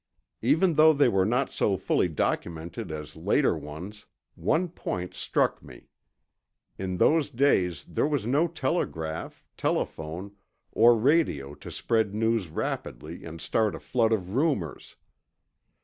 Even though they were not so fully documented as later ones, one point struck me. In those days, there was no telegraph, telephone, or radio to spread news rapidly and start a flood of rumors.